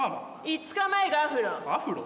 ５日前がアフロアフロ？